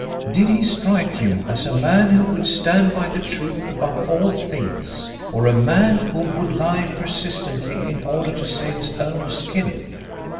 Did he strike you as a man who would stand by the truth above all things, or a man who would lie persistently in order to save his own skin?